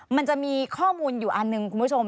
มันจะมีข้อมูลอยู่อันหนึ่งคุณผู้ชม